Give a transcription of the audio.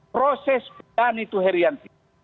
proses pidana itu heriantik